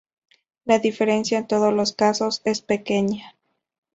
La diferencia en todos los casos es pequeña.